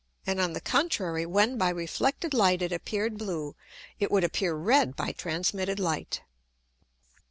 And, on the contrary, when by reflected Light it appeared blue, it would appear red by transmitted Light.